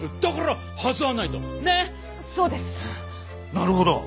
なるほど。